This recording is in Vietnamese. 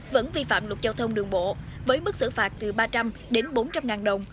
vẫn vi phạm luật giao thông đường bộ với mức xử phạt từ ba trăm linh đến bốn trăm linh ngàn đồng